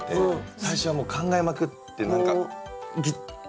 最初はもう考えまくって何かねえ？